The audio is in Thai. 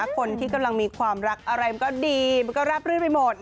คนที่กำลังมีความรักอะไรมันก็ดีมันก็ราบรื่นไปหมด